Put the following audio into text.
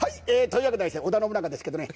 というわけでですね織田信長ですけどね